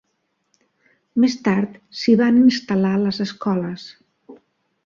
Més tard s'hi van instal·lar les escoles.